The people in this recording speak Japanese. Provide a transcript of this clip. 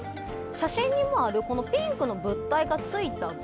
写真にもあるピンクの物体がついた棒。